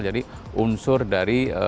jadi unsur dari